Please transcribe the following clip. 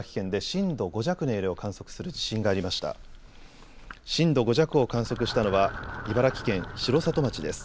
震度５弱を観測したのは茨城県城里町です。